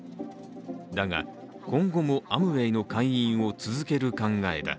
だが、今後もアムウェイの会員を続ける考えだ。